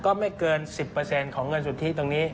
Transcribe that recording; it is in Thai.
ก็ไม่เกิน๑๐ของเงินสุทธิตรงนี้